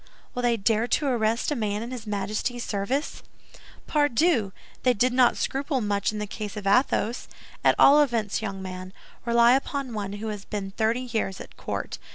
Will they dare to arrest a man in his Majesty's service?" "Pardieu! They did not scruple much in the case of Athos. At all events, young man, rely upon one who has been thirty years at court.